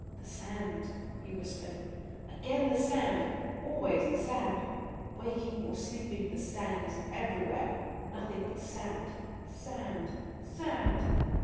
"The sand," he whispered, "again the sand; always the sand. Waking or sleeping, the sand is everywhere nothing but sand, sand, Sand...."